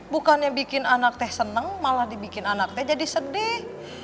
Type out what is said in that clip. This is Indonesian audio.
bukannya bikin anak teh seneng malah dibikin anak teh jadi sedih